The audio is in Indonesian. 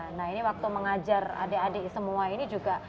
nah ini waktu mengajar adik adik semua ini juga